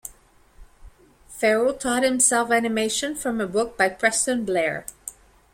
Ferro taught himself animation from a book by Preston Blair.